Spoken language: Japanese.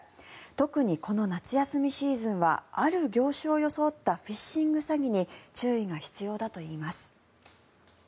特にこの夏休みシーズンはある業種を装ったフィッシング詐欺に注意が必要だといいます。